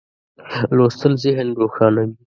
لوستل ذهن روښانوي.